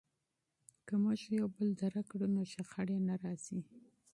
که موږ یو بل درک کړو نو شخړې نه راځي.